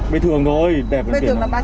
lên dư gì lắm